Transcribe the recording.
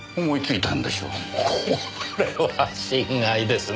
これは心外ですね。